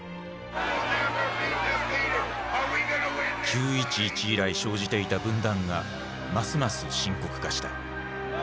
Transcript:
９．１１以来生じていた分断がますます深刻化した。